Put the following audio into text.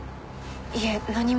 いえ何も。